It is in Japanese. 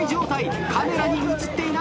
カメラに写っていないぞ。